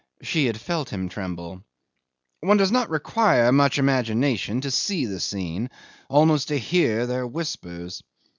She had felt him tremble. ... One does not require much imagination to see the scene, almost to hear their whispers.